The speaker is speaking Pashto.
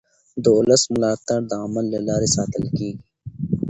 د ولس ملاتړ د عمل له لارې ساتل کېږي